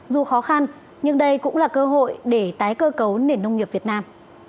dù khó khăn nhưng đây cũng là cơ hội để tái cơ cấu nền nông nghiệp việt nam